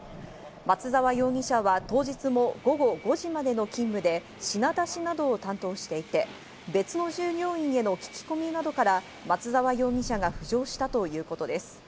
松沢容疑者は当日も午後５時までの勤務で品出しなどを担当していて、別の従業員への聞き込みなどから松沢容疑者が浮上したということです。